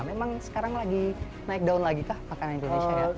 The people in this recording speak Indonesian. memang sekarang lagi naik daun lagi kah makanan indonesia ya